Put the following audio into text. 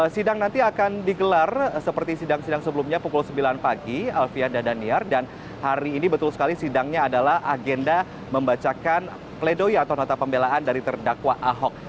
sidang nanti akan digelar seperti sidang sidang sebelumnya pukul sembilan pagi alfian daniar dan hari ini betul sekali sidangnya adalah agenda membacakan pledoi atau nota pembelaan dari terdakwa ahok